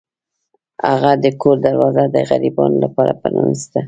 هغه د کور دروازه د غریبانو لپاره پرانیسته.